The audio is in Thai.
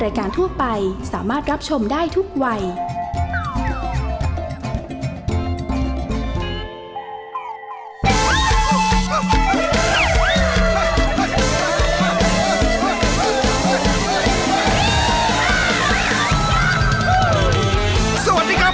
ชิ้นตะวันออกชิ้นตะวันตก